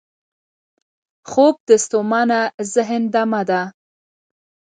خوب د ستومانه ذهن دمه ده